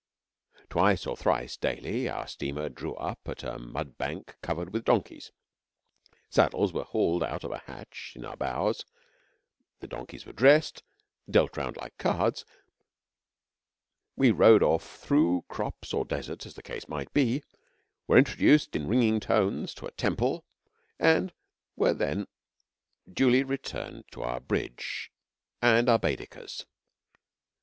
Twice or thrice daily, our steamer drew up at a mud bank covered with donkeys. Saddles were hauled out of a hatch in our bows; the donkeys were dressed, dealt round like cards: we rode off through crops or desert, as the case might be, were introduced in ringing tones to a temple, and were then duly returned to our bridge and our Baedekers.